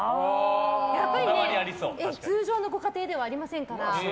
やっぱり通常のご家庭ではありませんから。